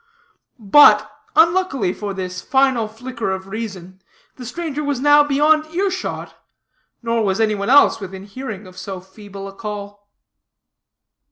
Ugh, ugh, ugh!" But, unluckily for this final flicker of reason, the stranger was now beyond ear shot, nor was any one else within hearing of so feeble a call.